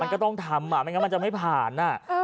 มันก็ต้องทำไม่งั้นมันจะไม่ผ่าน